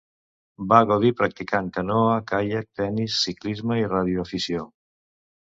Va gaudir practicant canoa, caiac, tenis, ciclisme i ràdio-afició.